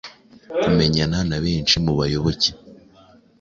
kumenyana na benshi mu bayoboke